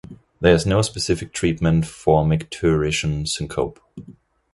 There is no specific treatment for micturition syncope.